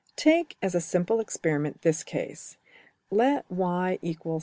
} Take as a simple experiment this case: Let $y = 7x^2$.